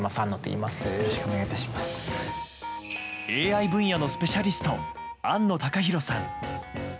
ＡＩ分野のスペシャリスト安野貴博さん。